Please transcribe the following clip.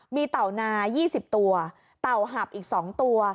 มีเต่านา๒๐ตัวเต่าหับอีก๒ตัว